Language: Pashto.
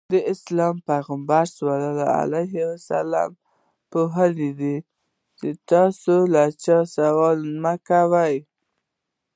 د اسلام پیغمبر وفرمایل تاسې له چا سوال مه کوئ.